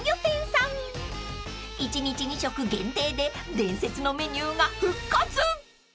［１日２食限定で伝説のメニューが復活］